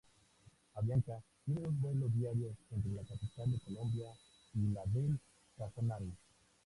Avianca tiene dos vuelos diarios entre la capital de Colombia y la del Casanare.